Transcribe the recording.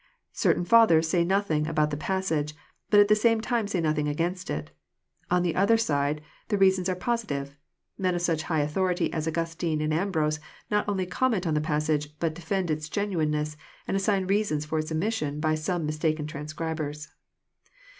Certain Fathers say nothing about the passage, but at the same time say nothing against it. — On the other side the reasons eLVQ positive. Men of such high authority as Augustine and Ambrose not only comment on the passage, but defend its genuineness, and assign reasons for its omission by some mistaken transcribers.